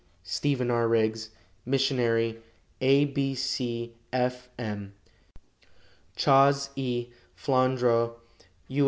"STEPHEN R. RIGGS, "Missionary, A. B. C. F. M. "CHAS. E. FLANDRAU, "U.